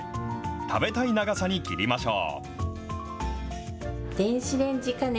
食べたい長さに切りましょう。